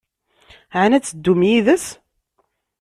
Ɛni ad teddum yid-s?